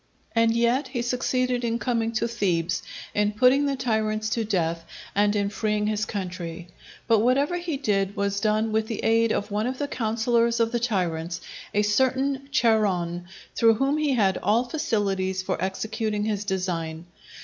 And yet he succeeded in coming to Thebes, in putting the tyrants to death, and in freeing his country. But whatever he did was done with the aid of one of the counsellors of the tyrants, a certain Charon, through whom he had all facilities for executing his design.